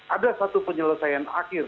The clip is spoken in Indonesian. ada satu penyelesaian akhir